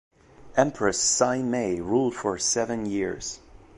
Empress Saimei ruled for seven years.